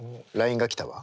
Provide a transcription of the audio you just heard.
ＬＩＮＥが来たわ。